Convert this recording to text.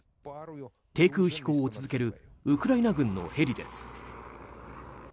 低空飛行を続けるウクライナ軍のヘリです。